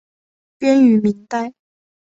编于明代。